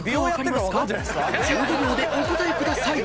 ［１５秒でお答えください］